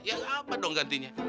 ya abah dong gantinya